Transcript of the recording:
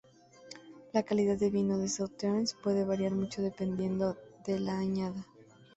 La calidad del vino de Sauternes puede variar mucho dependiendo de la añada.